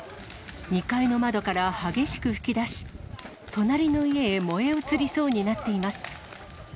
２階の窓から激しく噴き出し、隣の家へ燃え移りそうになっています。